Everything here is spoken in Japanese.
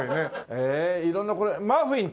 へえ色んなこれマフィンってやつなの？